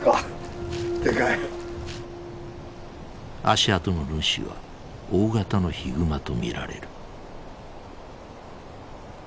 足跡の主は大型のヒグマと見られる。